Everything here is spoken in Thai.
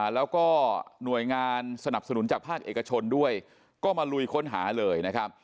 แล้วก็หน่วยงานสนับสนุนจากภาคเอกชนด้วยก็มาลุยค้นหาเลยนะครับ